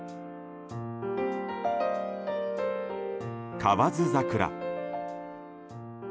河津桜。